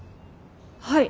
はい。